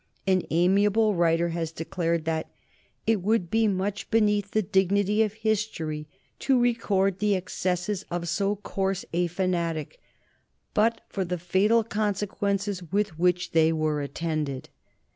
An amiable writer has declared that "it would be much beneath the dignity of history to record the excesses of so coarse a fanatic but for the fatal consequences with which they were attended."